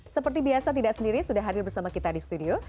seperti biasa tidak sendiri sudah hadir bersama kita di studio